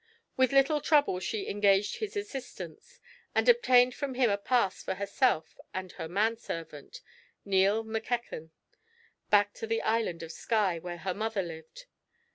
With little trouble she engaged his assistance, and obtained from him a pass for herself and her man servant, Neil Mackechan, back to the Island of Skye, where her mother lived.